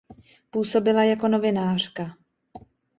Působila jako novinářka.